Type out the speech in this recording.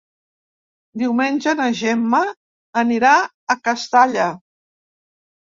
Diumenge na Gemma anirà a Castalla.